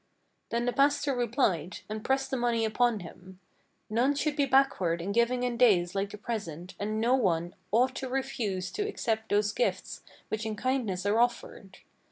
Then the pastor replied, and pressed the money upon him: "None should be backward in giving in days like the present, and no one Ought to refuse to accept those gifts which in kindness are offered.